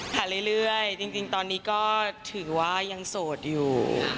เรื่อยจริงตอนนี้ก็ถือว่ายังโสดอยู่